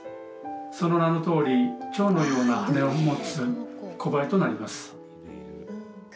その名のとおり、チョウのような羽を持つコバエとなります。